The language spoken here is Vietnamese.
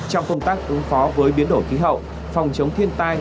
trong công tác ứng phó với biến đổi khí hậu phòng chống thiên tai